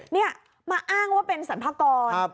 นี่มาอ้างว่าเป็นสรรพากร